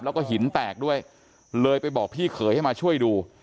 แล้วก็หินแตกด้วยเลยไปบอกพี่เขยให้มาช่วยดู